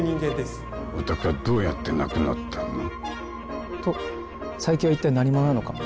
お宅はどうやって亡くなったの？と佐伯は一体何者なのか。